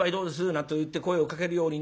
なんといって声をかけるようになる。